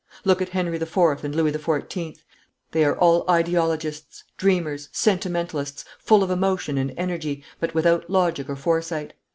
Look at Henry the Fourth and Louis the Fourteenth. They are all ideologists, dreamers, sentimentalists, full of emotion and energy, but without logic or foresight.